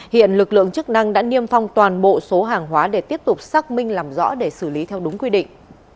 hiện lực lượng chức năng đã niêm phong toàn bộ số hàng hóa để tiếp tục xác minh làm rõ để xử lý theo đúng quy định